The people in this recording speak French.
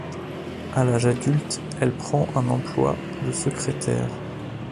À l'âge adulte, elle prend un emploi de secrétaire.